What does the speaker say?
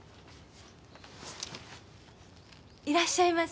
いらっしゃいませ。